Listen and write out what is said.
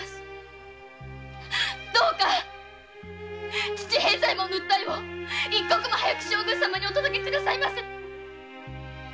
どうか父平左衛門の訴えを一刻も早く将軍様にお届け下さいませ！